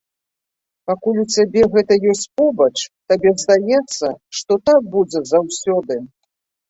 Пакуль у цябе гэта ёсць побач, табе здаецца, што так будзе заўсёды.